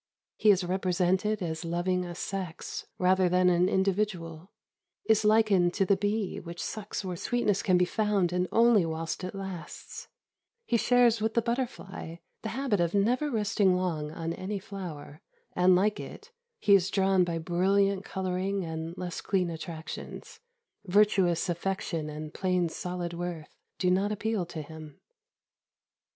He is represented as loving a sex rather than an individual; is likened to the bee which sucks where sweetness can be found and only whilst it lasts; he shares with the butterfly the habit of never resting long on any flower, and, like it, he is drawn by brilliant colouring and less clean attractions. Virtuous affection and plain solid worth do not appeal to him.